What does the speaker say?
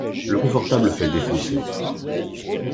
Le confortable fait défaut céans.